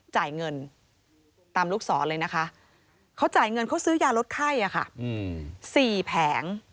จ่ายเงินตามลูกศรเลยนะคะเขาจ่ายเงินเขาซื้อยาลดไข้๔แผง